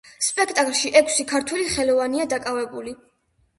სპექტაკლში ექვსი ქართველი ხელოვანია დაკავებული.